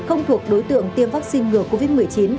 không thuộc đối tượng tiêm vaccine ngừa covid một mươi chín